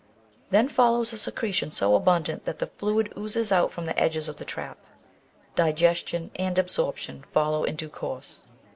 Then follows a secretion so abundant that the fluid oozes out from the edges of the trap. Digestion and absorption follow in due course.